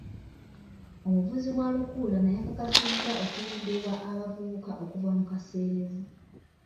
Omuvuzi wa lukululana yakakasizza okuyambibwa abavubuka okuva mu kaseerezi.